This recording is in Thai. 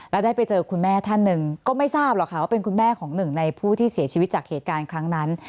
แล้วได้ไปเจอคุณแม่ท่านหนึ่งก็ไม่ทราบหรอกค่ะว่าเป็นคุณแม่ของหนึ่งในผู้ที่เสียชีวิตจากเหตุการณ์ครั้งนั้น